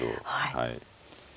はい。